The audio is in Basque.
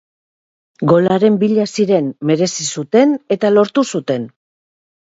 Golaren bila ziren, merezi zuten eta lortu zuten.